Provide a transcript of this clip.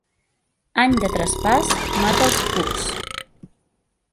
Any de traspàs mata els cucs.